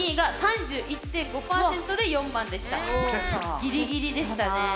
ギリギリでしたね。